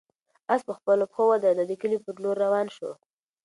آس په خپلو پښو ودرېد او د کلي په لور روان شو.